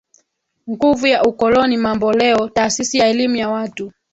nguvu ya ukoloni mamboleo Taasisi ya Elimu ya Watu